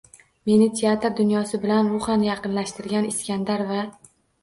Meni teatr dunyosi bilan ruhan yaqinlashtirgan “Iskandar” va